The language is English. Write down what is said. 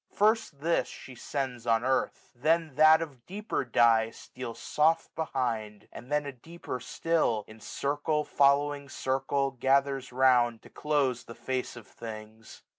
First this She sends on earth i then that of deeper dye 165a Steals soft behind ; and then a deeper still. In circle following circle, gathers round. To close the face of things.